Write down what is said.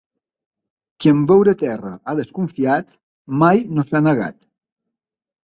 Qui en veure terra ha desconfiat mai no s'ha negat.